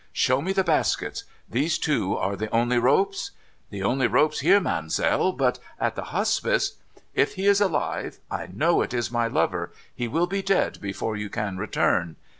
' Show me the baskets. These two are the only ropes ?'' The only ropes here, ma'amselle ; but at the Hospice '' If he is alive — I know it is my lover — he will be dead before you can return.